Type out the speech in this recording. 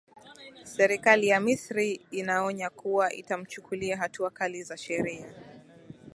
serikali ya misri inaonya kuwa itamchukulia hatua kali za sheria